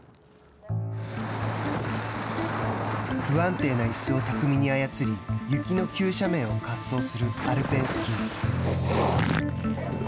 不安定ないすを巧みに操り雪の急斜面を滑走するアルペンスキー。